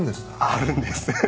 あるんです。